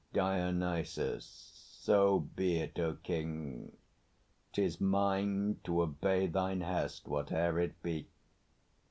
DIONYSUS. So be it, O King! 'Tis mine to obey thine hest, Whate'er it be.